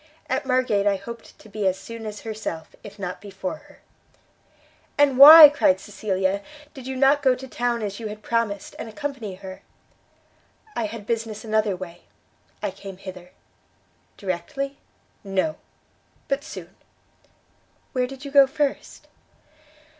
At Margate I hoped to be as soon as herself, if not before her." "And why," cried Cecilia, "did you not go to town as you had promised, and accompany her?" "I had business another way. I came hither." "Directly?" "No; but soon." "Where did you go first?"